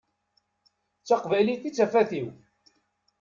D taqbaylit i d tafat-iw.